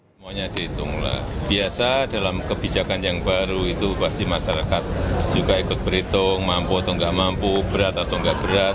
semuanya dihitung lah biasa dalam kebijakan yang baru itu pasti masyarakat juga ikut berhitung mampu atau nggak mampu berat atau enggak berat